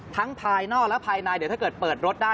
ภายนอกและภายในเดี๋ยวถ้าเกิดเปิดรถได้